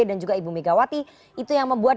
dan juga ibu megawati itu yang membuat